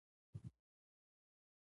زمرد د افغانانو ژوند اغېزمن کوي.